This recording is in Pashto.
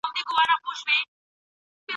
ایا مسواک وهل حافظه تېروي؟